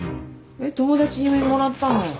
えっ友達にもらったの。